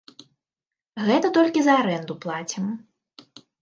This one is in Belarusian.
Гэта толькі за арэнду плацім.